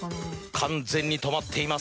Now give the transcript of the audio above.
完全に止まっています。